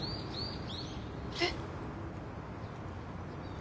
えっ？